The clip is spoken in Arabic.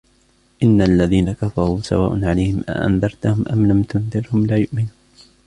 إِنَّ الَّذِينَ كَفَرُوا سَوَاءٌ عَلَيْهِمْ أَأَنذَرْتَهُمْ أَمْ لَمْ تُنذِرْهُمْ لَا يُؤْمِنُونَ